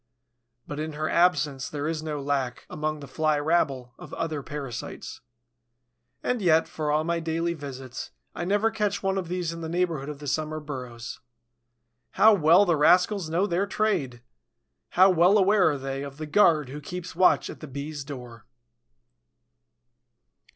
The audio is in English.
But in her absence there is no lack, among the Fly rabble, of other parasites. And yet, for all my daily visits, I never catch one of these in the neighborhood of the summer burrows. How well the rascals know their trade! How well aware are they of the guard who keeps watch at the Bees' door!